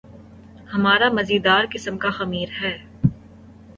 ہمارا مزیدار قسم کا خمیر ہے۔